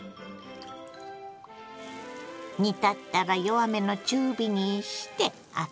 煮立ったら弱めの中火にしてアクを除き。